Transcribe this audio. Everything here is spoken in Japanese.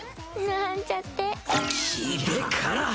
なんちゃって。